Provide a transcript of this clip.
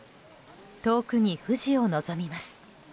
遠くに富士を望みます。